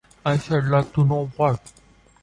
I should like to know what?